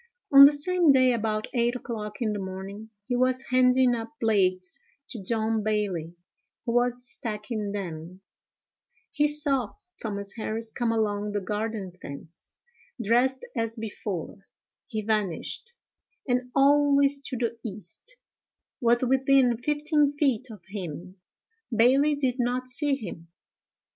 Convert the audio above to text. On the same day, about eight o'clock in the morning, he was handing up blades to John Bailey, who was stacking them; he saw Thomas Harris come along the garden fence, dressed as before; he vanished, and always to the east; was within fifteen feet of him; Bailey did not see him.